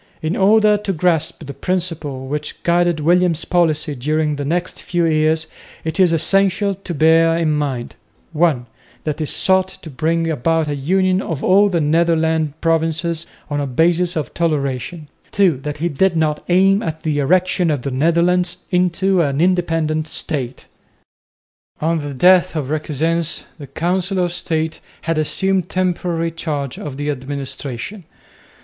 In order to grasp the principles which guided William's policy during the next few years it is essential to bear in mind (1) that he sought to bring about a union of all the Netherland provinces on a basis of toleration, (2) that he did not aim at the erection of the Netherlands into an independent State. On the death of Requesens the Council of State had assumed temporary charge of the administration.